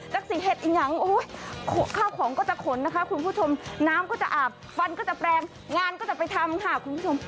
ตั๊คซีเหดยังยังโอ้โหข้าวของก็จะขนนะคะคุณผู้ชมน้ำก็จะอาบปันก็จะแปรงงานก็จะไปทำค่ะคุณผู้ชม